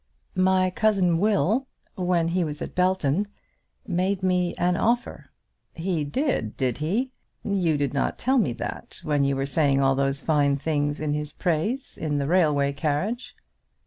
My cousin Will, when he was at Belton, made me an offer." "He did, did he? You did not tell me that when you were saying all those fine things in his praise in the railway carriage."